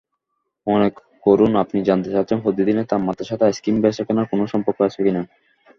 মনে করুন আপনি জানতে চাচ্ছেন প্রতিদিনের তাপমাত্রার সাথে আইসক্রিম বেচাকেনার কোন সম্পর্ক আছে কিনা?